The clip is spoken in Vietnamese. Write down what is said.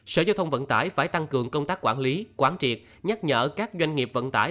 sở giao thông vận tải phải tăng cường công tác quản lý quán triệt nhắc nhở các doanh nghiệp vận tải